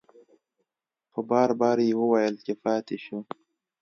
په بار بار یې وویل چې پاتې شو.